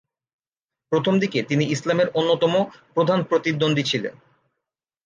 প্রথমদিকে তিনি ইসলামের অন্যতম প্রধান প্রতিদ্বন্দ্বী ছিলেন।